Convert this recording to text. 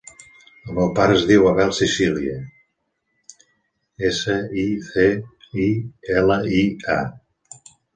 El meu pare es diu Abel Sicilia: essa, i, ce, i, ela, i, a.